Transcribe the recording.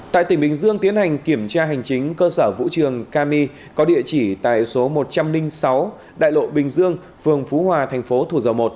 tại tỉnh bình dương tiến hành kiểm tra hành chính cơ sở vũ trường kami có địa chỉ tại số một trăm linh sáu đại lộ bình dương phường phú hòa thành phố thủ dầu một